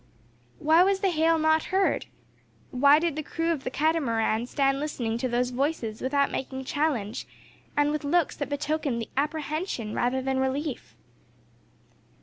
Why was the hail not heard? Why did the crew of the Catamaran stand listening to those voices without making challenge, and with looks that betokened apprehension rather than relief?